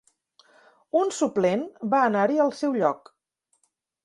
Un suplent va anar-hi al seu lloc.